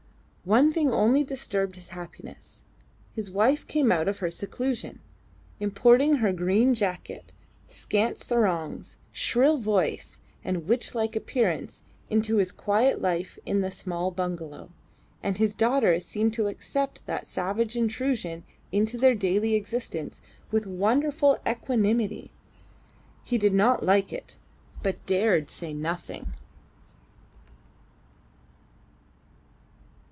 One thing only disturbed his happiness: his wife came out of her seclusion, importing her green jacket, scant sarongs, shrill voice, and witch like appearance, into his quiet life in the small bungalow. And his daughter seemed to accept that savage intrusion into their daily existence with wonderful equanimity. He did not like it, but dared say nothing.